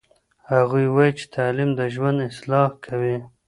هغوی وایي چې تعلیم د ژوند اصلاح کوي.